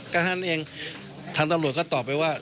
ก็เท่านั้นเองทางตำรวจก็ตอบไปว่า